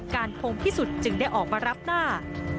พงพิสุทธิ์จึงได้ออกมารับหน้า